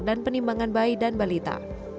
dan penimbangan bayi dan balita